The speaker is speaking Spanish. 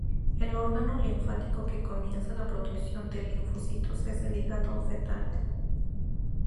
El órgano linfático que comienza la producción de linfocitos es el hígado fetal.